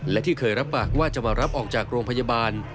และที่เคยรับปากว่าจะมารับออกจากโรงพยาบาล